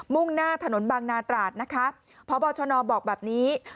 มุ่งหน้าถนนบางนาตราตพบชนบอกแบบนี้